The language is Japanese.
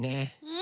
え？